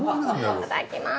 いただきます。